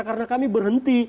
karena kami berhenti